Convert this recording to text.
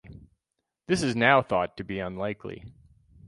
This is now thought to be unlikely.